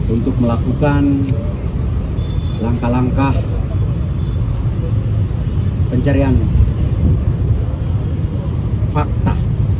untuk melakukan langkah langkah pencarian fakta